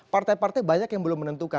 partai partai banyak yang belum menentukan